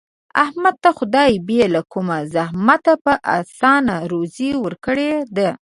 احمد ته خدای بې له کوم زحمته په اسانه روزي ورکړې ده.